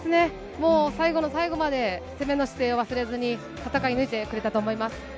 もう最後の最後まで攻めの姿勢を忘れずに戦い抜いてくれたと思い